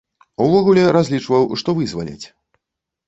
Увогуле разлічваў, што вызваляць.